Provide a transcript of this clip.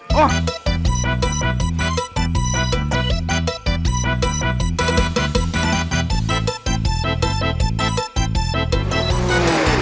พา